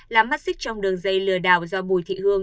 là mắt xích trong đường dây lừa đảo do bùi thị hương